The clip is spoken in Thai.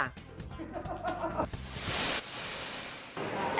หมีวะ